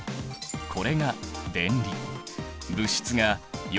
これが電離。